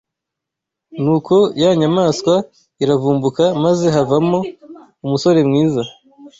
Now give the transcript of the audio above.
Nuko ya nyamaswa iravumbuka maze havamo umusore mwiza